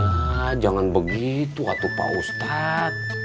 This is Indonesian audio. ya jangan begitu pak ustadz